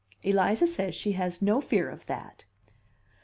"Eliza says she has no fear of that."